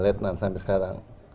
lieutenant sampai sekarang